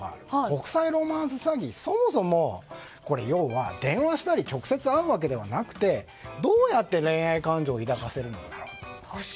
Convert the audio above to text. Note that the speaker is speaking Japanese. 国際ロマンス詐欺ってそもそも電話したり直接会うわけではなくてどうやって恋愛感情を抱かせるんだろうと。